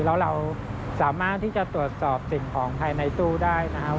แล้วเราสามารถที่จะตรวจสอบสิ่งของภายในตู้ได้นะครับ